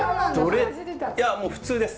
いやもう普通です。